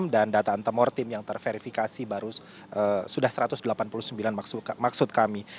dan data antemortem yang terverifikasi baru sudah satu ratus delapan puluh sembilan maksud kami